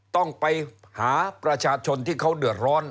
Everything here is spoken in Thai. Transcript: ต้องไปหาประชาชนที่เขาเดือดร้อน